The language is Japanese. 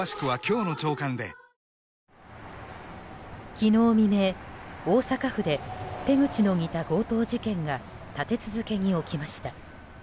昨日未明、大阪府で手口の似た強盗事件が立て続けに起きました。